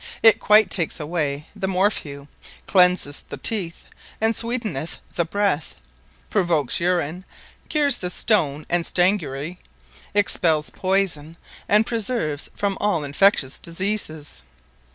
It quite takes away the Morphew, Cleanseth the Teeth, and sweetneth the Breath, Provokes Urine, Cures the Stone, and strangury, Expells Poison, and preserves from all infectious Diseases.